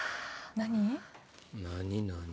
何？